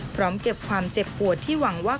พร้อมเก็บความเจ็บปวดที่หวังว่า